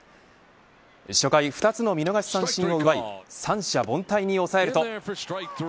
初回２つの見逃し三振を奪い三者凡退に抑えると。